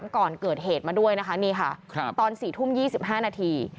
ก่อนเกิดเหตุมาด้วยนะคะนี่ค่ะตอน๔ทุ่ม๒๕นาที